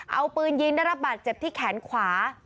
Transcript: เอาปืนยิงได้รับบาดเจ็บที่แขนขวา